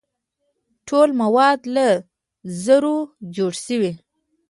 ټول مواد له ذرو جوړ شوي.